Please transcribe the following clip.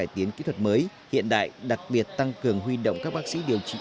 các bệnh viện đã cải tiến kỹ thuật mới hiện đại đặc biệt tăng cường huy động các bác sĩ điều trị